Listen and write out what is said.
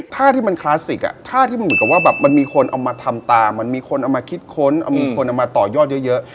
ภาพที่มันคลาสสิกอะมันมีคนเอามาทำตามมีคนเอามาคิดค้นมีคนเอามาต่อยอดเยอะ